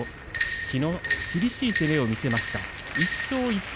きのう厳しい攻めを見せました１勝１敗